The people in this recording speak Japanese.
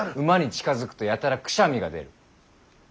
馬に近づくとやたらくしゃみが出る。